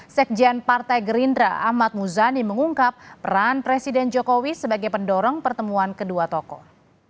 sekjen partai gerindra ahmad muzani mengungkap peran presiden jokowi sebagai pendorong pertemuan kedua tokoh